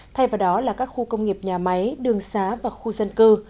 thay vào đó là các khu công nghiệp nhà máy đường xá và khu dân cư